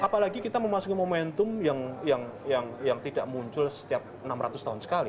apalagi kita memasuki momentum yang tidak muncul setiap enam ratus tahun sekali